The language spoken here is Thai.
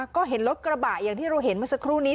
ก็เห็นรถกระบะอย่างที่เราเห็นเมื่อสักครู่นี้